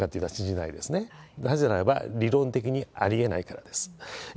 なぜならば、理論的にありえないからです。